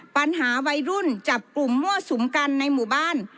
ปัญหาวัยรุ่นจับกลุ่มมั่วสุมกันในหมู่บ้าน